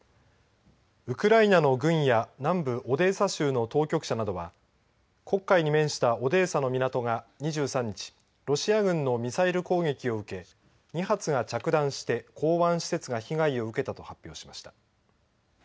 ウクライナの軍や南部オデーサ州の当局者などは黒海に面したオデーサの港が２３日、ロシア軍のミサイル攻撃を受け２発が着弾して港湾施設が被害を受けたと発表しました。